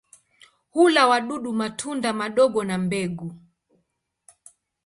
Hula wadudu, matunda madogo na mbegu.